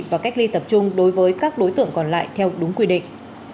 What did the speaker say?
và cách ly tập trung đối với các đối tượng còn lại theo đúng quy định